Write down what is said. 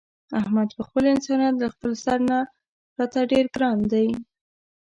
احمد په خپل انسانیت له خپل سر نه راته ډېر ګران دی.